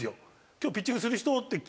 「今日ピッチングする人」って。